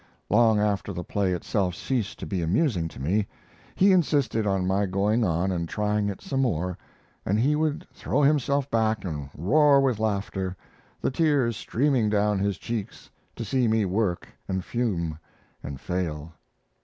Long after the play itself ceased to be amusing to me, he insisted on my going on and trying it some more, and he would throw himself back and roar with laughter, the tears streaming down his cheeks, to see me work and fume and fail.